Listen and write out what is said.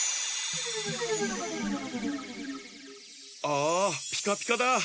ああピカピカだ。